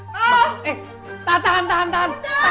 tak tahan tahan tahan